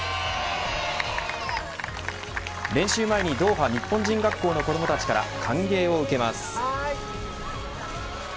練習前にドーハ日本人学校の子どもたちから歓迎を受けます。